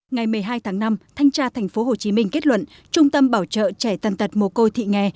ngày một mươi hai tháng năm thanh tra tp hcm kết luận trung tâm bảo trợ trẻ tân tật mồ côi thị nghè